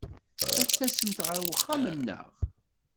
Ad tasemt ɣer wexxam-nneɣ?